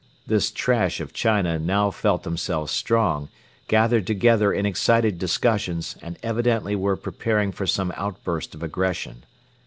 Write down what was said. This trash of China now felt themselves strong, gathered together in excited discussions and evidently were preparing for some outburst of aggression.